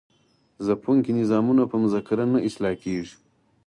ځپونکي نظامونه په مذاکره نه اصلاح کیږي.